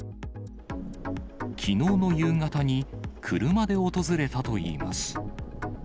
きのうの夕方に車で訪れたといいます。